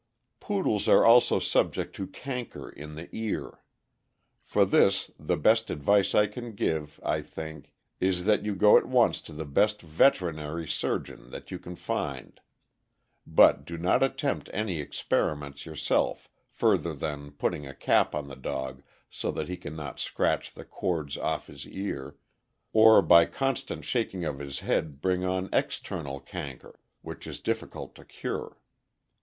Poodles are also subject to canker in the ear. For this the best advice I can give, I think, is that you go at once to the best veterinary surgeon that you can find; but do not attempt any experiments yourself further than putting a cap on the dog so that he can not scratch the cords off his ear, or by constant shaking of his head bring on external canker, which is difficult to cure.